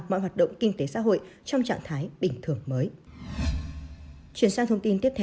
mọi hoạt động kinh tế xã hội trong trạng thái bình thường mới